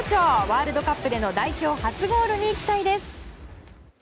ワールドカップでの代表初ゴールに期待です。